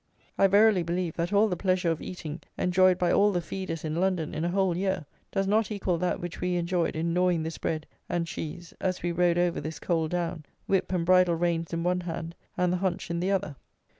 I verily believe that all the pleasure of eating enjoyed by all the feeders in London in a whole year does not equal that which we enjoyed in gnawing this bread and cheese as we rode over this cold down, whip and bridle reins in one hand, and the hunch in the other.